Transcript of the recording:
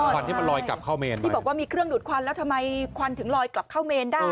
วันที่มันลอยกลับเข้าเมนที่บอกว่ามีเครื่องดูดควันแล้วทำไมควันถึงลอยกลับเข้าเมนได้